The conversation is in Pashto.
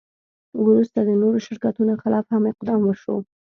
وروسته د نورو شرکتونو خلاف هم اقدام وشو.